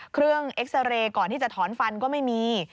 เอ็กซาเรย์ก่อนที่จะถอนฟันก็ไม่มี